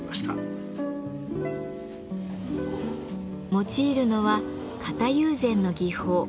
用いるのは型友禅の技法。